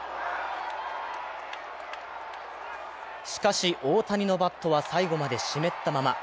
しかし、大谷のバットは最後まで湿ったまま。